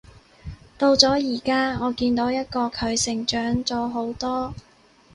到咗而家，我見到一個佢成長咗好多